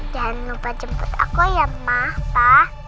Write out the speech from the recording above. jangan lupa jemput aku ya ma pa